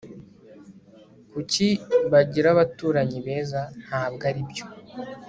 kuki bagira abaturanyi beza? ntabwo aribyo